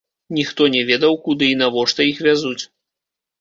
Ніхто не ведаў, куды і навошта іх вязуць.